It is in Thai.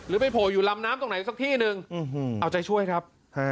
ไปโผล่อยู่ลำน้ำตรงไหนสักที่หนึ่งเอาใจช่วยครับ